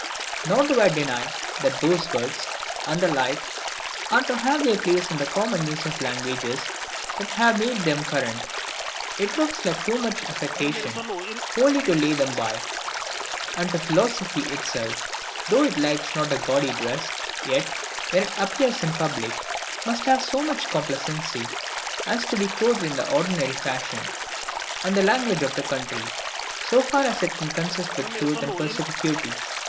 Nor do I deny that those words, and the like, are to have their place in the common use of languages that have made them current. It looks like too much affectation wholly to lay them by: and philosophy itself, though it likes not a gaudy dress, yet, when it appears in public, must have so much complacency as to be clothed in the ordinary fashion and language of the country, so far as it can consist with truth and perspicuity.